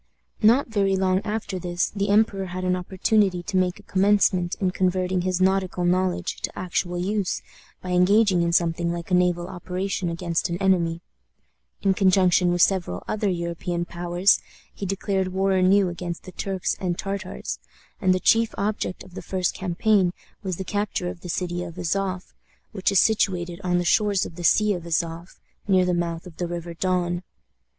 Not very long after this the emperor had an opportunity to make a commencement in converting his nautical knowledge to actual use by engaging in something like a naval operation against an enemy, in conjunction with several other European powers, he declared war anew against the Turks and Tartars, and the chief object of the first campaign was the capture of the city of Azof, which is situated on the shores of the Sea of Azof, near the mouth of the River Don.